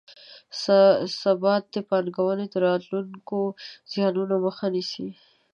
ثبات د پانګونې د راتلونکو زیانونو مخه نیسي.